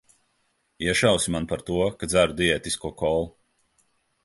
Iešausi man par to, ka dzeru diētisko kolu?